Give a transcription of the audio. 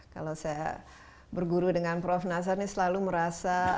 kalau saya berguru dengan prof nasar ini selalu merasa